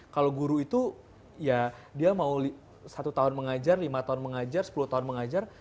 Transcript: kalau guru itu ya dia mau satu tahun mengajar lima tahun mengajar sepuluh tahun mengajar